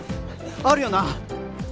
あるよな！？